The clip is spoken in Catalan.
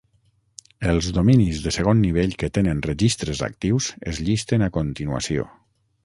Els dominis de segon nivell que tenen registres actius es llisten a continuació.